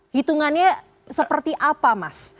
hitungannya seperti apa mas